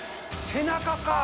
背中かあ。